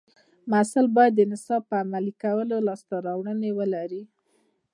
محصل باید د نصاب په عملي کولو لاسته راوړنې ولري.